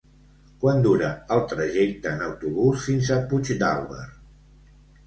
Quant dura el trajecte en autobús fins a Puigdàlber?